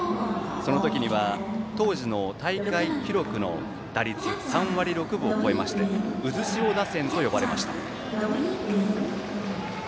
その時には当時の大会記録の打率３割６分を超えましてうずしお打線と呼ばれました。